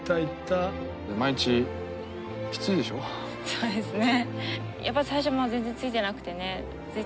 そうですね。